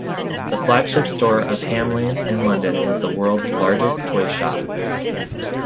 The flagship store of Hamleys in London is the world's largest toy shop.